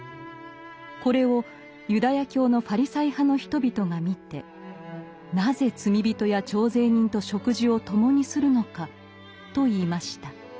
これをユダヤ教のファリサイ派の人々が見て「なぜ罪人や徴税人と食事を共にするのか」と言いました。